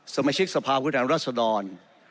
สมาชิกสภาพุทธแห่งรัฐสดร